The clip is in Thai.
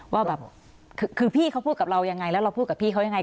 ว่าแบบคือพี่เขาพูดกับเรายังไงแล้วเราพูดกับพี่เขายังไง